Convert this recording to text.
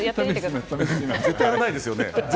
絶対やらないですよね。